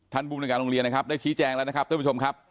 ภูมิในการโรงเรียนนะครับได้ชี้แจงแล้วนะครับท่านผู้ชมครับ